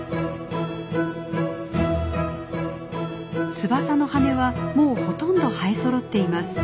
翼の羽根はもうほとんど生えそろっています。